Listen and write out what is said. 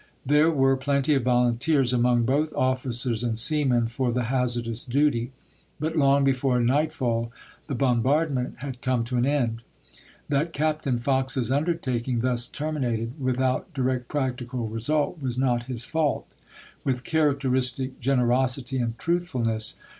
There were plenty of volunteers among both officers and sea men for the hazardous duty ; but long before night fall the bombardment had come to an end. That Captain Fox's undertaking thus terminated with out dii'ect practical result was not his fault. With characteristic generosity and truthfulness.